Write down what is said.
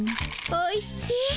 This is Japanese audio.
おいしい。